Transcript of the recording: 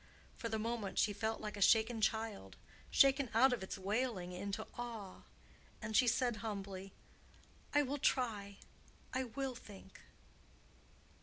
For the moment she felt like a shaken child—shaken out of its wailing into awe, and she said humbly, "I will try. I will think."